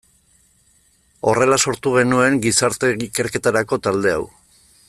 Horrela sortu genuen gizarte ikerketarako talde hau.